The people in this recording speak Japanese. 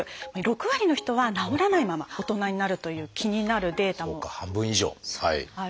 ６割の人は治らないまま大人になるという気になるデータもそうか。